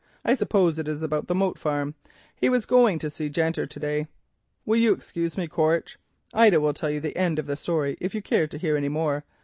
I suppose it is about the Moat Farm. He was going to see Janter to day. Will you excuse me, Quaritch? My daughter will tell you the end of the story if you care to hear any more.